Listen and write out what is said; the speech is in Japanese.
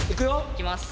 いきます。